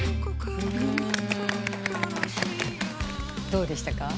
どうでしたか？